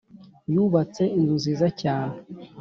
Yubatse inzu nziza cyane